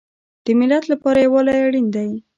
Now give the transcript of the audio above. د ملت لپاره یووالی اړین دی